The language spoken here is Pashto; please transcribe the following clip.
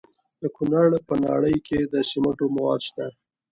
د کونړ په ناړۍ کې د سمنټو مواد شته.